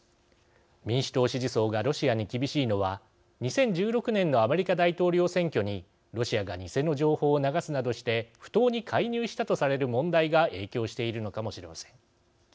民主党支持層がロシアに厳しいのは２０１６年のアメリカ大統領選挙にロシアが偽の情報を流すなどして不当に介入したとされる問題が影響しているのかもしれません。